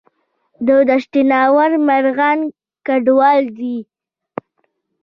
د دشت ناور مرغان کډوال دي